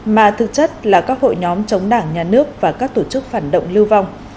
mà thực chất là các hội nhóm chống đảng nhà nước và các tổ chức phản động lưu vong